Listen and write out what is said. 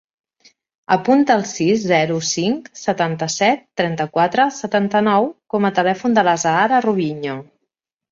Apunta el sis, zero, cinc, setanta-set, trenta-quatre, setanta-nou com a telèfon de l'Azahara Rubiño.